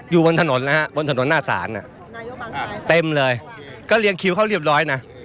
อยู่บนถนนนะฮะบนถนนหน้าศาลเต็มเลยก็เรียงคิวเขาเรียบร้อยนะ